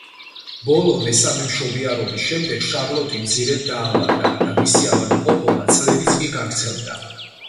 ბოლო, მესამე მშობიარობის შემდეგ შარლოტი მძიმედ დაავადდა და მისი ავადმყოფობა წლებიც კი გაგრძელდა.